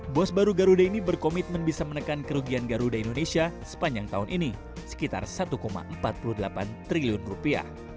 bos baru garuda ini berkomitmen bisa menekan kerugian garuda indonesia sepanjang tahun ini sekitar satu empat puluh delapan triliun rupiah